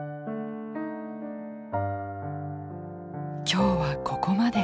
今日はここまで。